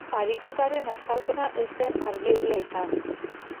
Ariketaren azalpena ez zen argiegia izan.